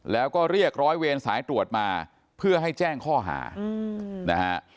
แล้วก็เรียกร้อยเวรสายตรวจมาเพื่อให้แจ้งข้อหานะฮะ